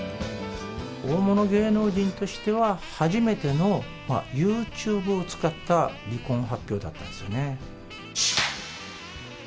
大物芸能人としては初めてのユーチューブを使った離婚発表だったんですよね。